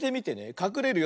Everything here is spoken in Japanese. かくれるよ。